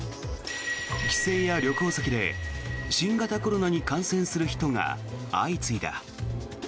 帰省や旅行先で新型コロナに感染する人が相次いだ。